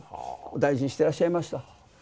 大事にしてらっしゃいました。